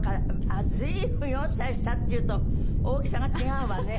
あっ随分４歳下っていうと大きさが違うわね